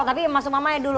tapi mas umam aja dulu